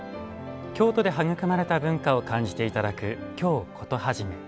京都で育まれた文化を感じて頂く「京コトはじめ」。